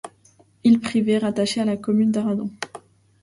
Île privée rattachée à la commune d'Arradon.